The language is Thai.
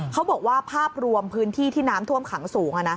เขาบอกว่าภาพรวมพื้นที่ที่น้ำท่วมขังสูง